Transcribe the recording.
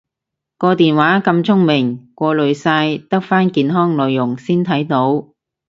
個電話咁聰明過濾晒得返健康內容先睇到？